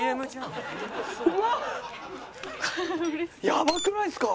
やばくないですか？